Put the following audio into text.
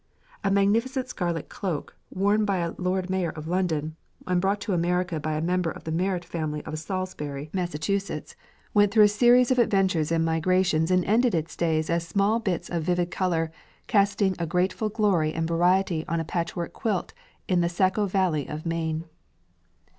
A magnificent scarlet cloak, worn by a Lord Mayor of London and brought to America by a member of the Merrit family of Salisbury, Massachusetts, went through a series of adventures and migrations and ended its days as small bits of vivid colour, casting a grateful glory and variety on a patchwork quilt in the Saco Valley of Maine.